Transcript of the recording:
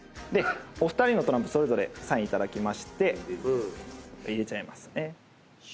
お二人のトランプそれぞれサイン頂きまして入れちゃいますね。